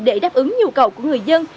để đáp ứng nhu cầu của người dân